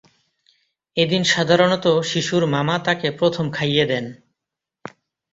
এদিন সাধারণত শিশুর মামা তাকে প্রথম খাইয়ে দেন।